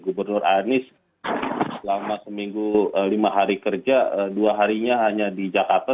gubernur anies selama seminggu lima hari kerja dua harinya hanya di jakarta